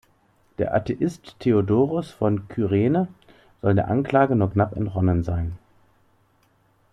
Der Atheist Theodoros von Kyrene soll der Anklage nur knapp entronnen sein.